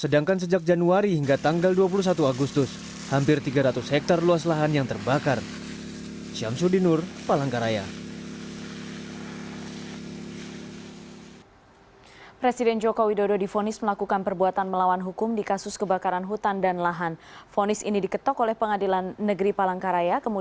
sedangkan sejak januari hingga tanggal dua puluh satu agustus hampir tiga ratus hektare luas lahan yang terbakar